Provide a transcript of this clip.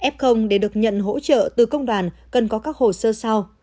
f để được nhận hỗ trợ từ công đoàn cần có các hồ sơ sau